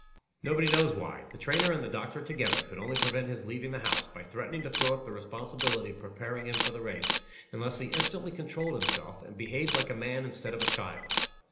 "Nobody knows why. The trainer and the doctor together could only prevent his leaving the house, by threatening to throw up the responsibility of preparing him for the race, unless he instantly controlled himself, and behaved like a man instead of a child.